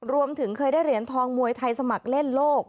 รวมถึงเคยได้เหรียญทองมวยไทยสมัครเล่นโลก